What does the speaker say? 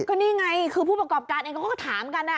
ก็นี่ไงคือผู้ประกอบการเองเขาก็ถามกัน